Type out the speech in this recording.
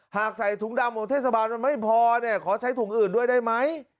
หากใส่ถุงดำของเทศบาลมันไม่พอเนี่ยขอใช้ถุงอื่นด้วยได้ไหม